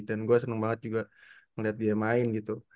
dan gue seneng banget juga ngeliat dia main gitu